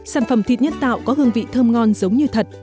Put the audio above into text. sản phẩm thịt nhân tạo có hương vị thơm ngon giống như thật